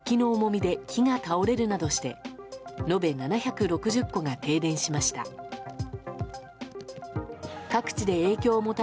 県内では雪の重みで木が倒れるなどして延べ７６０戸が停電しました。